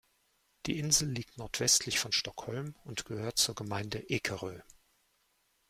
Die Insel liegt nordwestlich von Stockholm und gehört zur Gemeinde Ekerö.